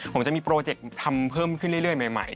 ผมจะมีโปรเจกต์ทำเพิ่มขึ้นเรื่อยใหม่